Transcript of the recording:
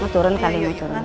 mau turun kali mau turun